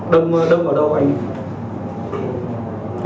đông đông ở đâu anh